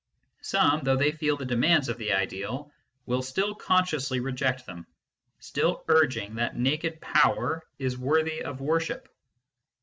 Some, though they feel the demands of the ideal, will stih 1 consciously reject them, still urging that naked Power is worthy of worship.